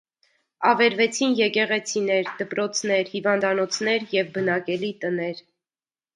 Ավերվեցին եկեղեցիներ, դպրոցներ, հիվանդանոցներ և բնակելի տներ։